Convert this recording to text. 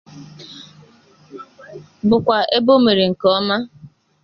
bụkwa ebe o mere nke ọma.